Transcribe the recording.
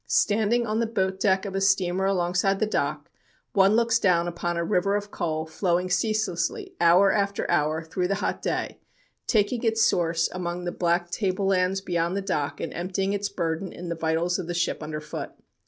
Standing on the boat deck of the steamer alongside the dock, one looks down upon a river of coal, flowing ceaselessly, hour after hour, through the hot day, taking its source among the black tablelands beyond the dock and emptying its burden in the vitals of the ship underfoot.